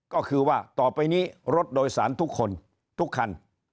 ก็คือว่าต่อไปนี้รถโดยสารทุกคนทุกคัน